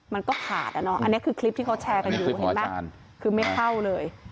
มันก็ขาดอะเนาะอันนี้คือคลิปที่เขาแชร์กันอยู่เห็นไหมคือไม่เข้าเลย